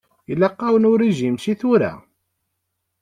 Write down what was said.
Ilaq-awen urijim seg tura.